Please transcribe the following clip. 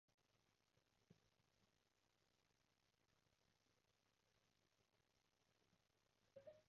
對住另一半講你話點就點啦，都係真心聽晒佢話順晒佢意？